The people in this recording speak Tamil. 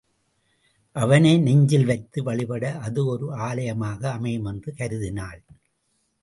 அவனை நெஞ்சில் வைத்து வழிபட அது ஒரு ஆலயமாக அமையும் என்று கருதினாள்.